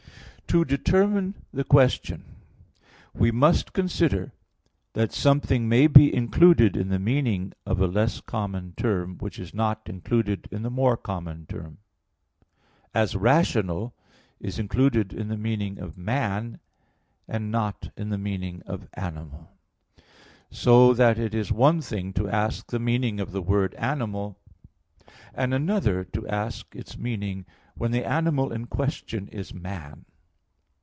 To determine the question, we must consider that something may be included in the meaning of a less common term, which is not included in the more common term; as "rational" is included in the meaning of "man," and not in the meaning of "animal." So that it is one thing to ask the meaning of the word animal, and another to ask its meaning when the animal in question is man.